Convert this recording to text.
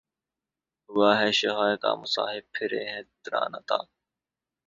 ہوا ہے شہہ کا مصاحب پھرے ہے اتراتا